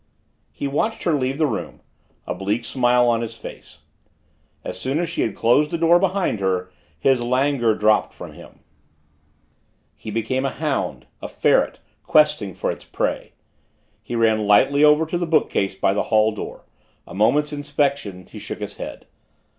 He watched her leave the room, a bleak smile on his face. As soon as she had closed the door behind her, his languor dropped from him. He became a hound a ferret questing for its prey. He ran lightly over to the bookcase by the hall door a moment's inspection he shook his head.